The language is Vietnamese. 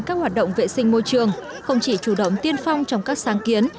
các hoạt động vệ sinh môi trường không chỉ chủ động tiên phong trong các sáng kiến